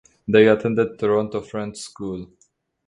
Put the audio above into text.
They attended Toronto French School.